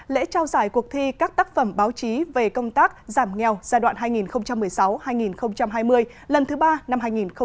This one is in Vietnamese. lễ trao giải cuộc thi các tác phẩm báo chí về công tác giảm nghèo giai đoạn hai nghìn một mươi sáu hai nghìn hai mươi lần thứ ba năm hai nghìn hai mươi